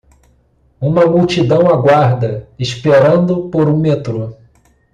Uma multidão aguarda? esperando por um metrô.